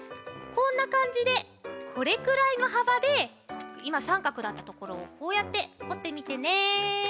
こんなかんじでこれくらいのはばでいまさんかくだったところをこうやっておってみてね。